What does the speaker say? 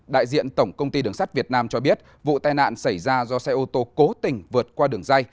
đại diện tổng công ty đường sắt việt nam cho biết vụ tai nạn xảy ra do xe ô tô cố tình vượt qua đường dây